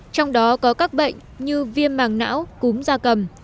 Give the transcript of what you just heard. trong đó có các bệnh như viêm màng não cúm da cầm